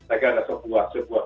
agar ada sebuah